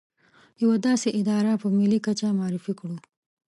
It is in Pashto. يوه داسې اداره په ملي کچه معرفي کړو.